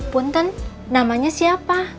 punten namanya siapa